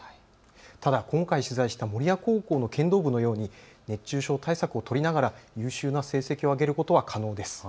ただ今回取材した守谷高校の剣道部のように熱中症対策を取りながら優秀な成績を挙げることは可能です。